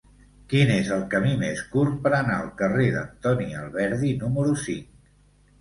Quin és el camí més curt per anar al carrer d'Antoni Alberdi número cinc?